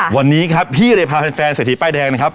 วันนี้ครับพี่เลยพาแฟนเศรษฐีป้ายแดงนะครับ